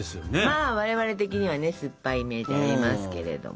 まあ我々的にはね酸っぱいイメージがありますけれども。